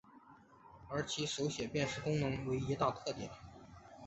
而其手写辨识功能为一大特点。